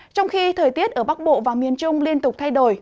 trong khi thời tiết ở bắc bộ và miền trung liên tục thay đổi